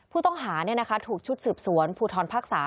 ผู้ต้องหาถูกชุดสืบสวนภูทรภาค๓